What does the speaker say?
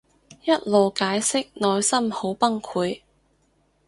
一路解釋內心好崩潰